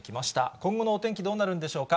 今後のお天気どうなるんでしょうか。